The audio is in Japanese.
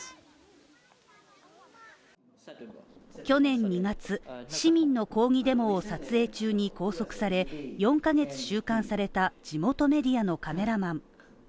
去年２月、市民の抗議デモを撮影中に拘束され４カ月収監された地元メディアのカメラマン。